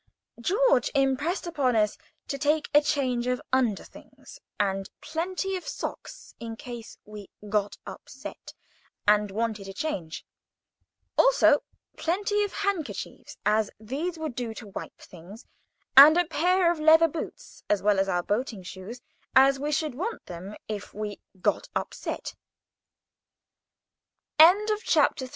George impressed upon us to take a change of under things and plenty of socks, in case we got upset and wanted a change; also plenty of handkerchiefs, as they would do to wipe things, and a pair of leather boots as well as our boating shoes, as we should want them if we